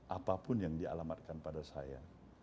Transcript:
apapun yang dialamatkan pada saya